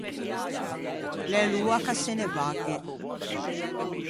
L’é l’oa ch’a se ne vagghe.